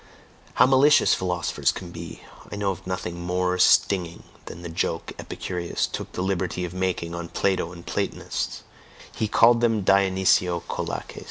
How malicious philosophers can be! I know of nothing more stinging than the joke Epicurus took the liberty of making on Plato and the Platonists; he called them Dionysiokolakes.